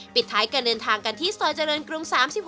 ปิดท้ายการเดินทางกันที่ซอยเจริญกรุง๓๖